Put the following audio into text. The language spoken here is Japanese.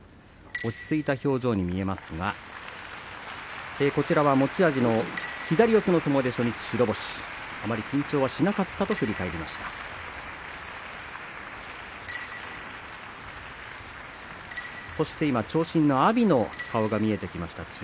落ち着いた表情に見えますがこちらは持ち味の左四つの相撲で初日白星あまり緊張しなかったと振り返りました。